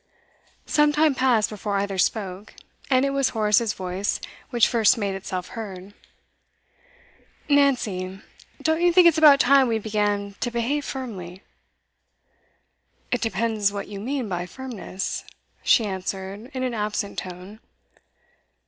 Some time passed before either spoke, and it was Horace's voice which first made itself heard. 'Nancy, don't you think it's about time we began to behave firmly?' 'It depends what you mean by firmness,' she answered in an absent tone.